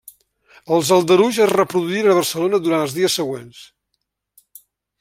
Els aldarulls es reproduïren a Barcelona durant els dies següents.